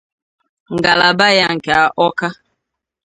ngalaba ya nke Awka